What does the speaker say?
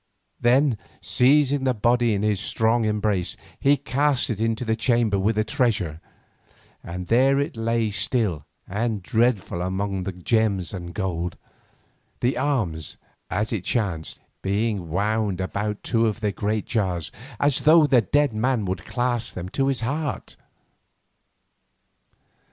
Then, seizing the body in his strong embrace, he cast it into the chamber with the treasure, and there it lay still and dreadful among the gems and gold, the arms, as it chanced, being wound about two of the great jars as though the dead man would clasp them to his heart.